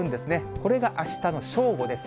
これがあしたの正午です。